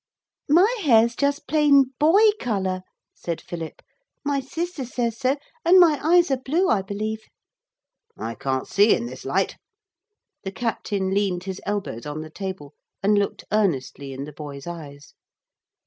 'My hair's just plain boy colour,' said Philip; 'my sister says so, and my eyes are blue, I believe.' 'I can't see in this light;' the captain leaned his elbows on the table and looked earnestly in the boy's eyes.